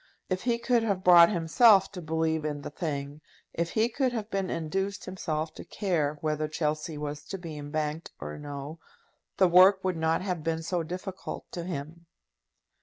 If he could have brought himself to believe in the thing, if he could have been induced himself to care whether Chelsea was to be embanked or no, the work would not have been so difficult to him.